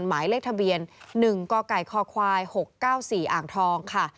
หมายเลขทะเบียน๑กกคควาย๖๙๔อ่างทองค่ะ